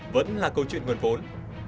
vẫn là câu chuyện nguồn vốn